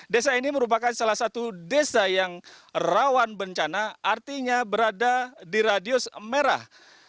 desa ini merupakan salah satu desa yang rawan bencana artinya berada di radius merah